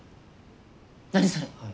何それ？